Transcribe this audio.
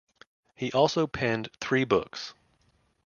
He also penned three books.